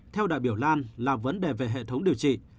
theo đại biểu lan là vấn đề về hệ thống điều trị